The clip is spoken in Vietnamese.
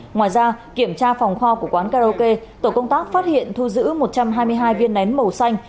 ngoài ra kiểm tra phòng kho của quán karaoke tổ công tác phát hiện thu giữ một trăm hai mươi hai viên nén màu xanh